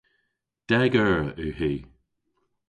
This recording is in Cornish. Deg eur yw hi.